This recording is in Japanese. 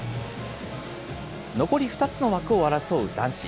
残り２つの枠を争う男子。